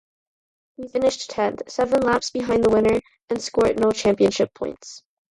He finished tenth, seven laps behind the winner, and scored no championship points.